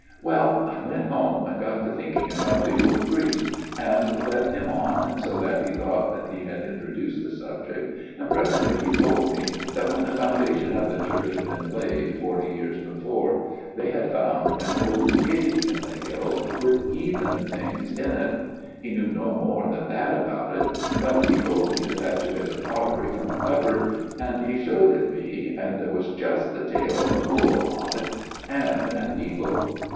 " Well, I went home, and got to talking with the old priest, and led him on, so that he thought that he had introduced the subject, and presently he told me that when the foundation of the church 146 A MIRROR OF SHALOTT had been laid, forty years before, they had found an old cave in the hill, with heathen things in it. He knew no more than that about it, but he told me to fetch a bit of pottery from a cupboard, and he showed it me, and there was just the tail of a bull upon it, and an eagle."